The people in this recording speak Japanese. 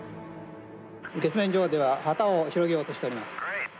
月面上では旗を広げようとしています。